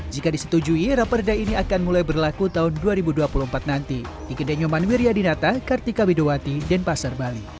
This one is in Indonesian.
jika disetujui raperda ini akan mulai berlaku tahun dua ribu dua puluh empat nanti